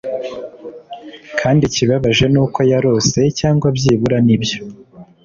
kandi ikibabaje nuko yarose, cyangwa byibura nibyo